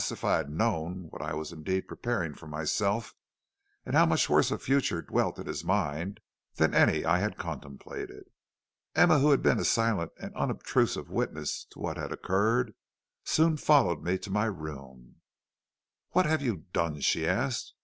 if I had known what I was indeed preparing for myself, and how much worse a future dwelt in his mind than any I had contemplated! "Emma, who had been a silent and unobtrusive witness to what had occurred, soon followed me to my room. "'What have you done?' she asked.